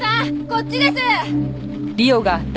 こっちです！